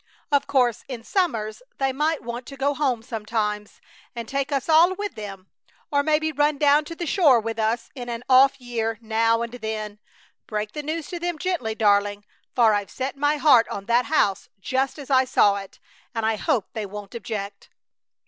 Of course, in summers they might want to go home sometimes and take us all with them; or maybe run down to the shore with us in an off year now and then. Break the news to them gently, darling, for I've set my heart on that house just as I saw it, and I hope they won't object.